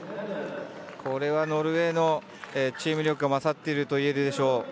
ノルウェーのチーム力が勝っているといえるでしょう。